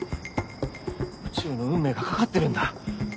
宇宙の運命が懸かってるんだ。